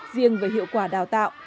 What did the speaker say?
riêng với hiệu quả đào tạo